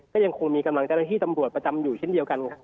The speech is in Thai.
ก็ยังคงมีกำลังกำลังที่ตำรวจประจำอยู่ชิ้นเดียวกัน